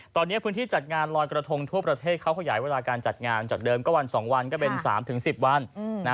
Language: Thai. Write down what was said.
ตอนนี้พื้นที่จัดงานลอยกระทงทั่วประเทศเขาขยายเวลาการจัดงานจากเดิมก็วัน๒วันก็เป็น๓๑๐วัน